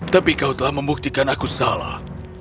tapi kau telah membuktikan aku salah